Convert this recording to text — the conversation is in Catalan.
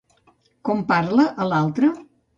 Com parla a l'altre?